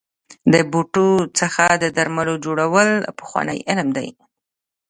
د بوټو څخه د درملو جوړول پخوانی علم دی.